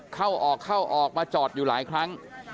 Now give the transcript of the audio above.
เข้าออกเข้าออกมาจอดอยู่หลายครั้ง